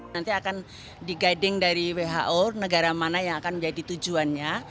nanti akan di guiding dari who negara mana yang akan menjadi tujuannya